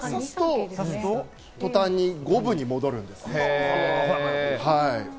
指すと、途端に五分に戻るんです。